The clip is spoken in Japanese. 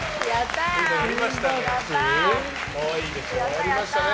やりましたね。